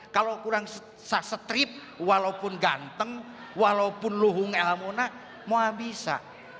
kalau kurang setrip walaupun ganteng walaupun luhung elamona muhabisa